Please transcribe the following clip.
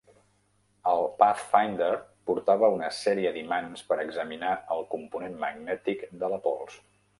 El "Pathfinder" portava una sèrie d'imants per examinar el component magnètic de la pols.